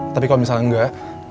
tapi kalau misalnya enggak